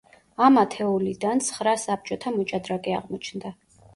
ამ ათეულიდან ცხრა საბჭოთა მოჭადრაკე აღმოჩნდა.